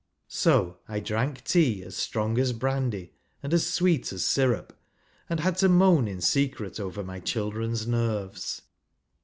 So I drank tea as strong as brandy 1 1 and as sweet as syrup, and had to moan in 1 secret over my children's nerves.